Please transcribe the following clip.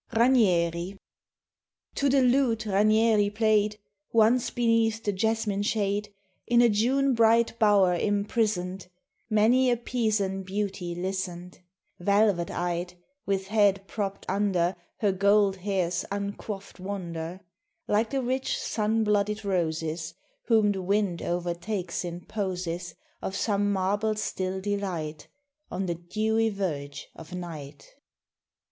RANIERI. TO the lute Ranieri played, Once beneath the jasmine shade In a June bright bower imprisoned, Many a Pisan beauty listened, Velvet eyed, with head propped under Her gold hair's uncoifed wonder; Like the rich sun blooded roses Whom the wind o'ertakes in poses Of some marble still delight, On the dewy verge of night.